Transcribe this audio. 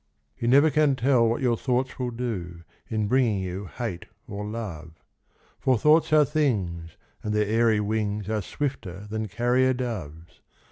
You never can tell what your thoughts will do, In bringing you hate or love; For thoughts are things, and their airy wings Are swifter than carrier doves.